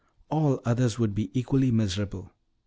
All others would be equally miserable.